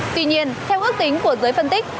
tuy nhiên theo ước tính của giới phân tích